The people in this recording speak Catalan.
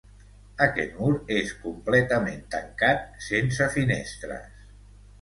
Aquest mur és completament tancat, sense finestres.